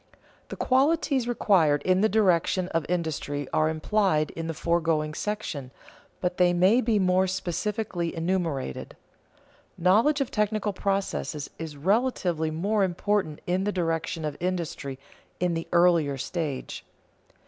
_ The qualities required in the direction of industry are implied in the foregoing section, but they may be more specifically enumerated. Knowledge of technical processes is relatively more important in the direction of industry in the earlier stage.